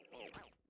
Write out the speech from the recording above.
kamu harus pergi dulu